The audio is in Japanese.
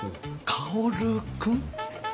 薫君？